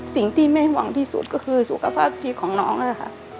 สิ่งที่แม่หวังที่สุดก็คือสุขภาพชีวิตของน้องนะคะ